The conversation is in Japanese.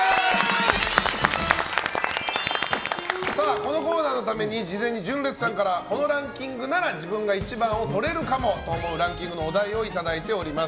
このコーナーのために事前に純烈さんからこのランキングなら自分が１番をとれるかもと思うランキングのお題をいただいております。